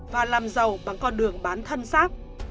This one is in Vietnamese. và làm giàu bằng con đường bán thân sát